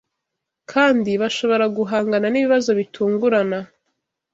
kandi bashobora guhangana n’ibibazo bitungurana